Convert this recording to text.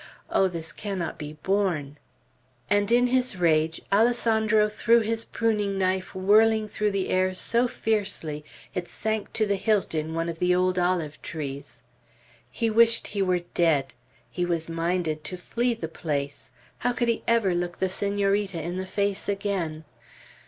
Oh, this cannot be borne!" And in his rage Alessandro threw his pruning knife whirling through the air so fiercely, it sank to the hilt in one of the old olive trees. He wished he were dead. He was minded to flee the place. How could he ever look the Senorita in the face again!